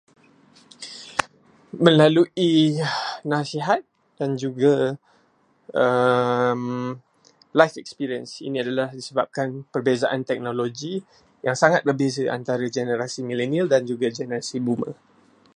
Melalui nasihat dan juga life experience. Ini adalah disebabkan perbezaan teknologi yang sangat berbeza antara generasi millenial dan juga generasi boomer.